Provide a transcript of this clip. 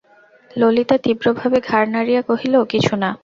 ললিতা তীব্র ভাবে ঘাড় নাড়িয়া কহিল, কিছু না।